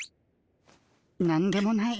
何でもない。